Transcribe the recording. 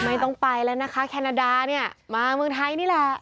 ไม่ต้องไปแล้วนะคะแคนาดาเนี่ยมาเมืองไทยนี่แหละ